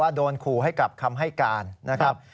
โดนขู่ให้กลับคำให้การนะครับ